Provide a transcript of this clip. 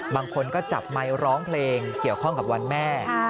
บางคนก็จับไมค์ร้องเพลงเกี่ยวข้องกับวันแม่